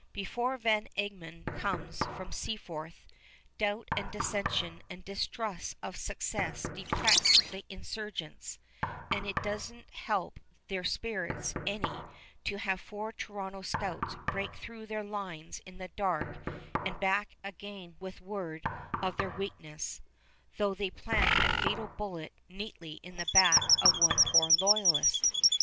Before Van Egmond comes from Seaforth, doubt and dissension and distrust of success depress the insurgents; and it does n't help their spirits any to have four Toronto scouts break through their lines in the dark and back again with word of their weakness, though they plant a fatal bullet neatly in the back of one poor loyalist.